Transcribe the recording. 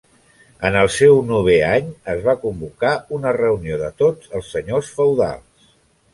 En el seu novè any es va convocar una reunió de tots els senyors feudals.